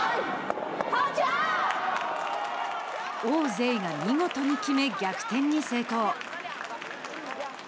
王ぜいが見事に決め逆転に成功。